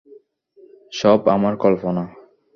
সব আমার কল্পনা।